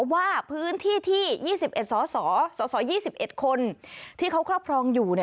ว่าพื้นที่ที่๒๑สส๒๑คนที่เขาครอบครองอยู่